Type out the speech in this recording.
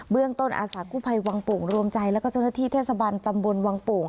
เรื่องต้นอาสากู้ภัยวังโป่งรวมใจแล้วก็เจ้าหน้าที่เทศบันตำบลวังโป่ง